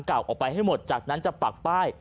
เก่าออกไปให้หมดจากนั้นจะปักป้าย